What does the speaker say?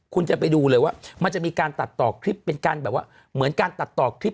คุณจะไปดูเลยว่ามันจะมีการตัดต่อคลิปเป็นการแบบว่าเหมือนการตัดต่อคลิป